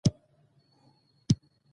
انسان نشي کولای په یوازیتوب سره تولید وکړي.